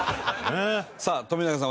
さあ冨永さん